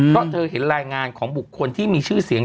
เพราะเธอเห็นรายงานของบุคคลที่มีชื่อเสียง